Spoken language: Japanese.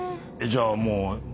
じゃあもう。